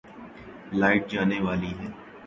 light جانے والی ہے